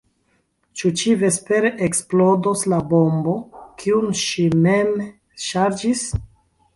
Ĉu ĉivespere eksplodos la bombo, kiun ŝi mem ŝarĝis?